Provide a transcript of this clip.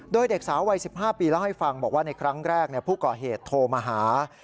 โดยเด็กสาววัย๑๕ปีเล่าให้ฟังบอกว่าในครั้งแรกผู้ก่อเหตุโทรมาหา